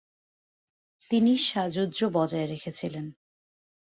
তিনি সাযুজ্য বজায়ে রেখেছিলেন ।